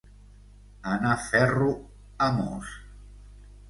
Anar ferro a mos.